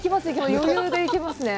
余裕でいけますね。